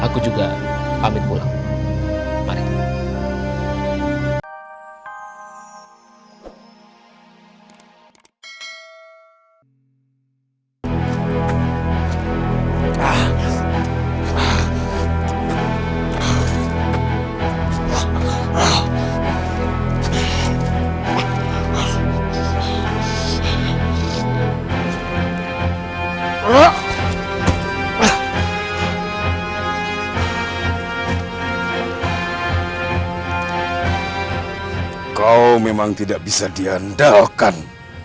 kau memang tidak bisa diandalkan